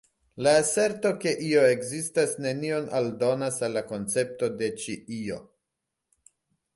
La aserto, ke io ekzistas nenion aldonas al la koncepto de ĉi io.